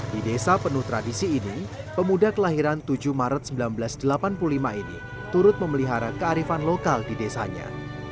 di desa penuh tradisi ini pemuda kelahiran tujuh maret seribu sembilan ratus delapan puluh lima ini turut memelihara kearifan lokal di desanya